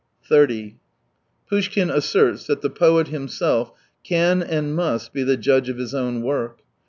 30 Poushkin asserts that the poet himself can and must be the judge of his own work.